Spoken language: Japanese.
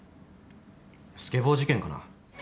スケボー事件かな。